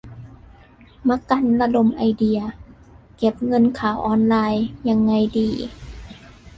มะกันระดมไอเดีย "เก็บเงินข่าวออนไลน์"ยังไงดี ?